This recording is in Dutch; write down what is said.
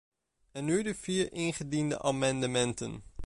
En nu de vier ingediende amendementen.